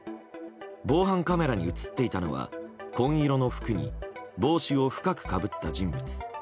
防犯カメラに映っていたのは紺色の服に帽子を深くかぶった人物。